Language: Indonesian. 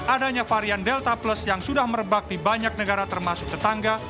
adanya varian delta plus yang sudah merebak di banyak negara termasuk tetangga